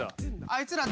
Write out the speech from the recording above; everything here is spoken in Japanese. あいつら。